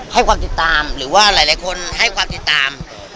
ให้ความติดตามหรือว่าหลายคนให้ความติดตาม